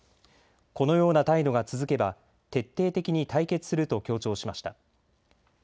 このような態度が続けば徹底的に対決すると強調しました。